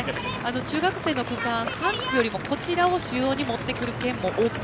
中学生を３区よりもこちらを主要に持ってくる県も多くて。